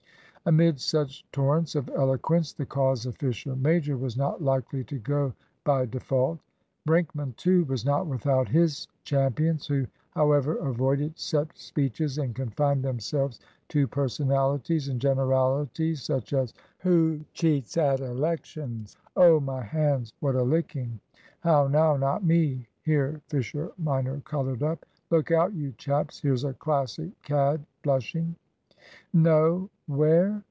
Amid such torrents of eloquence the cause of Fisher major was not likely to go by default. Brinkman, too, was not without his champions, who, however, avoided set speeches and confined themselves to personalities and generalities, such as "Who cheats at Elections?" "Oh, my hands, what a licking!" "How now not me!" (Here Fisher minor coloured up.) "Look out, you chaps, there's a Classic cad blushing." "No! where?